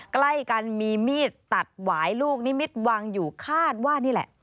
ใกล้กันมีมีดตัดหวายลูกนิมิตรวางอยู่คาดว่านี่แหละ